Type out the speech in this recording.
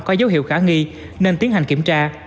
có dấu hiệu khả nghi nên tiến hành kiểm tra